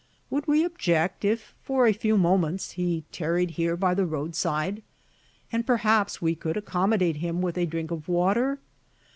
Would we object if, for a few moments, he tarried here by the roadside? and perhaps we could accommodate him with a drink of water?